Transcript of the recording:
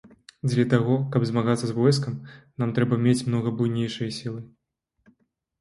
Дзеля таго, каб змагацца з войскам, нам трэба мець многа буйнейшыя сілы.